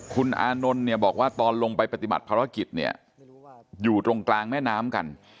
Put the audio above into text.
คุณอานนท์เนี่ยบอกว่าตอนลงไปปฏิบัติภารกิจเนี่ยอยู่ตรงกลางแม่น้ำกัน